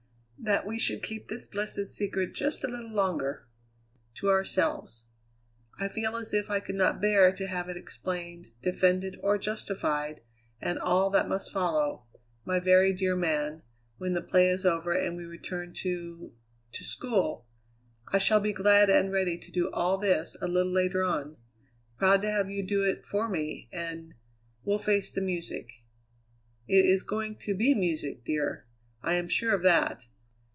"That we should keep this blessed secret just a little longer to ourselves. I feel as if I could not bear to have it explained, defended, or justified, and all that must follow, my very dear man, when the play is over and we return to to school. I shall be glad and ready to do all this a little later on; proud to have you do it for me, and we'll face the music. It is going to be music, dear, I am sure of that.